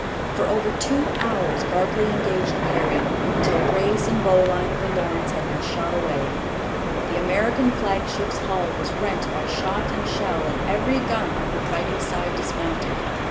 For over two hours Barclay engaged Perry, until brace and bowline of the Lawrence had been shot away. The American flagship's hull was rent by shot and shell and every gun on her fighting side dismounted.